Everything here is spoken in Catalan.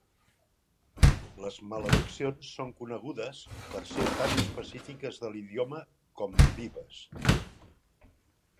Les malediccions són conegudes per ser tant específiques de l"idioma com vives.